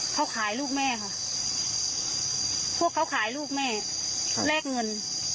เขาขายลูกแม่ค่ะพวกเขาขายลูกแม่แลกเงิน